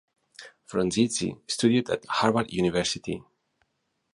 Frondizi studied at Harvard University.